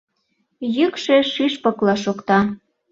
Йӱкшӧ шӱшпыкла шокта.